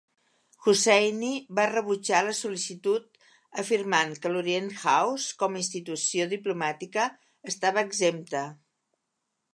Husseini va rebutjar la sol·licitud, afirmant que l'Orient House, com a institució diplomàtica, estava exempta.